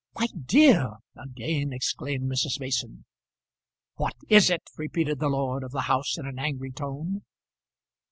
"My dear!" again exclaimed Mrs. Mason. "What is it?" repeated the lord of the house in an angry tone.